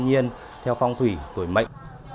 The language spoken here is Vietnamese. tuy nhiên theo phong thủy tuổi mệnh